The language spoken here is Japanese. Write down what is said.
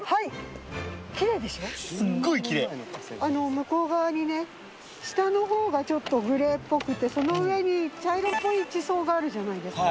向こう側にね下のほうがちょっとグレーっぽくてその上に茶色いっぽい地層があるじゃないですか。